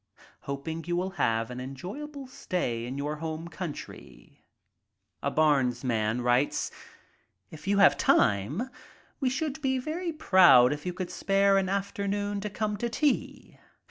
Hoping you will have an enjoyable stay in your home country." A Barnes man writes: "If you have time we should be very proud if you could spare an afternoon to come to tea.